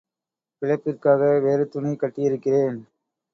பிழைப்பிற்காக வேறு துணி கட்டியிருக்கிறேன்.